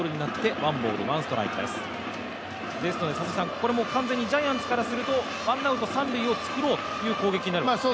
これもジャイアンツからするとワンアウト三塁を作ろうという攻撃になるわけですね。